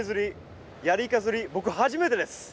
僕初めてです！